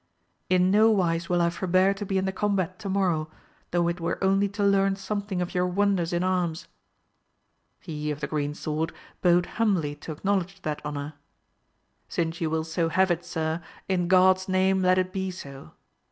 In no wise will I forbear to be in the combat to morrow, though it were only to learn something of your wonders in arms. He of the green sword bowed humbly to acknowledge that honour; Since you will so have it sir, in God's name let it be so.